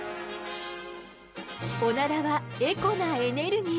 オナラはエコなエネルギー！